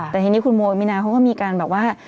แต่ทีนี้คุณโมยมินาเขาก็มีการแบบว่า